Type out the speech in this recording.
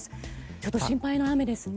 ちょっと心配な雨ですね。